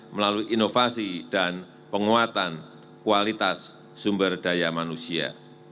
melalui inovasi dan penguatan kualitas sumber daya manusia